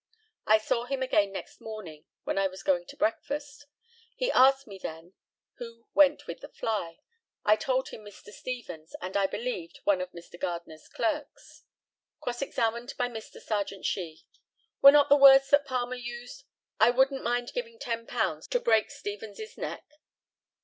I saw him again next morning, when I was going to breakfast. He asked me then who went with the fly. I told him Mr. Stevens, and, I believed, one of Mr. Gardner's clerks. Cross examined by Mr. Serjeant SHEE: Were not the words that Palmer used, "I wouldn't mind giving £10 to break Stevens's neck."